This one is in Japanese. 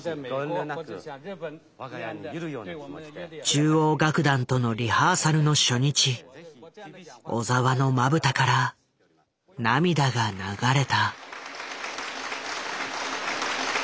中央楽団とのリハーサルの初日小澤のまぶたから涙が流れた。